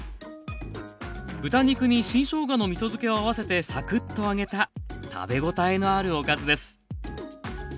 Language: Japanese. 豚肉に新しょうがのみそ漬けを合わせてサクッと揚げた食べごたえのあるおかずです。